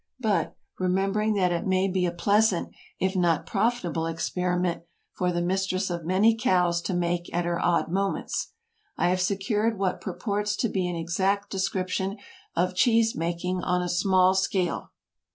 But, remembering that it may be a pleasant, if not profitable experiment, for the mistress of many cows to make at her odd moments, I have secured what purports to be an exact description of "cheese making on a small scale."